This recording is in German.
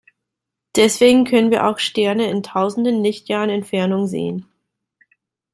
Deswegen können wir auch Sterne in tausenden Lichtjahren Entfernung sehen.